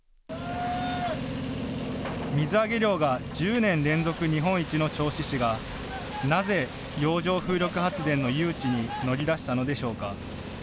水揚げ量が１０年連続日本一の銚子市がなぜ洋上風力発電の誘致に乗り出したのでしょうか。